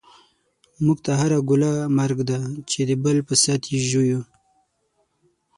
موږ ته هره ګوله مرګ دی، چی دبل په ست یی ژوویو